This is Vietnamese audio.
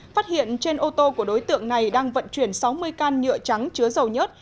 phát hiện trên ô tô của đối tượng này đang vận chuyển sáu mươi can nhựa trắng chứa dầu nhớt